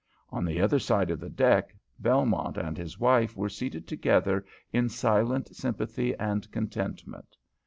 On the other side of the deck Belmont and his wife were seated together in silent sympathy and contentment.